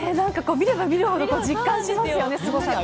見れば見るほど、実感しますよね。